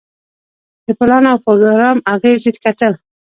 د پلان او پروګرام اغیزې کتل.